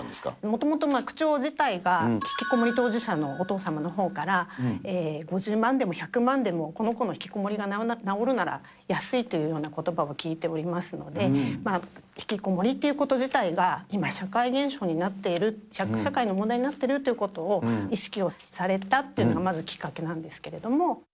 もともと区長自体がひきこもり当事者のお父様のほうから５０万でも１００万でも、この子のひきこもりがなおるなら安いというようなことばを聞いておりますので、ひきこもりということ自体が今、社会現象になっている、社会の問題になってるということを、意識をされたというのがまずきっかけなんですけれども。